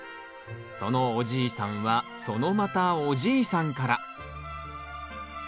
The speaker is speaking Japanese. そのおじいさんはそのまたおじいさんから。